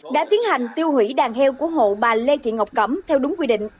đã tiến hành tiêu hủy đàn heo của hộ bà lê thị ngọc cẩm theo đúng quy định